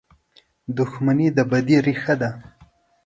• دښمني د بدۍ ریښه ده.